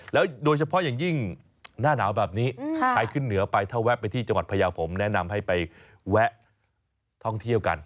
โดยเฉพาะอย่างยิ่งหน้าหนาวแบบนี้ใครขึ้นเหนือไปถ้าแวะไปที่จังหวัดพยาวผมแนะนำให้ไปแวะท่องเที่ยวกัน